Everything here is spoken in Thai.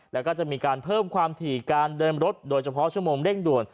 แล้วก็จะมีการเพิ่มความถี่การเดินรถโดยเฉพาะชั่วโมงเร่งด่วน